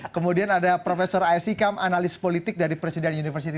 kemudian ada profesor aisy kam analis politik dari presiden universiti